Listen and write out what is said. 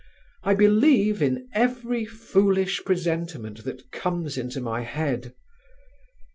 "I believe in every foolish presentiment that comes into my head."